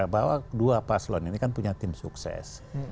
bahwa kedua paslon ini kan punya tim sukses